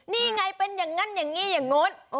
นี่ไงเป็นอย่างนั้นอย่างนี้อย่างโน้น